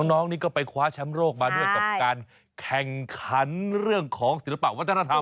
น้องนี่ก็ไปคว้าแชมป์โลกมาด้วยกับการแข่งขันเรื่องของศิลปะวัฒนธรรม